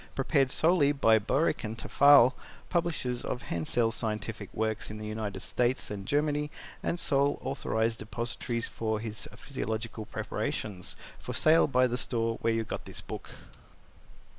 Prepared solely by Boericke & Tafel, Publishers of Hensel's Scientific Works in the United States and Germany and sole authorized depositaries for his Physiological preparations. For Sale by the Store where you got this book.